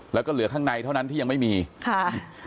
แล้วก็เหลือข้างในเท่านั้นที่ยังไม่มีค่ะ